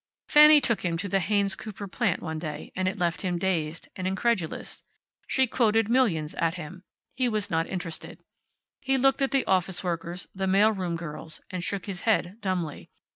Fanny took him to the Haynes Cooper plant one day, and it left him dazed, and incredulous. She quoted millions at him. He was not interested. He looked at the office workers, the mail room girls, and shook his head, dumbly.